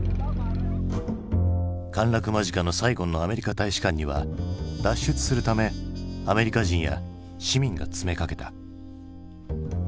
陥落間近のサイゴンのアメリカ大使館には脱出するためアメリカ人や市民が詰めかけた。